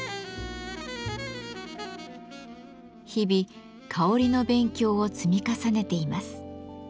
日々香りの勉強を積み重ねています。